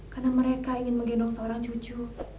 karena mereka ingin menggendong seorang cucu